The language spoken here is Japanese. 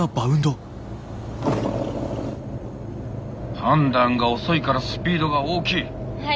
判断が遅いからスピードが大きい。